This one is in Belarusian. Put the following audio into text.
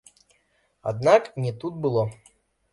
Аднак не тут было!